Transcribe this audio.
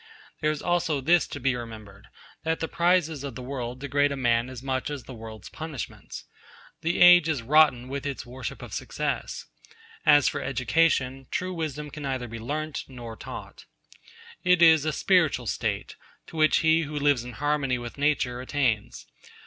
There is also this to be remembered that the prizes of the world degrade a man as much as the world's punishments. The age is rotten with its worship of success. As for education, true wisdom can neither be learnt nor taught. It is a spiritual state, to which he who lives in harmony with nature attains.